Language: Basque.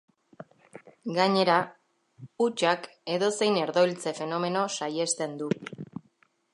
Gainera, hutsak edozein herdoiltze-fenomeno saihesten du.